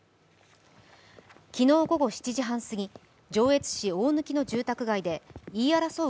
昨日午後７時半すぎ、上越市大貫の住宅街で言い争う